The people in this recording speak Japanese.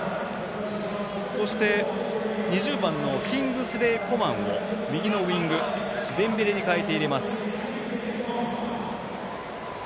そして、２０番のキングスレイ・コマンを右のウイングデンベレに代えて入れます。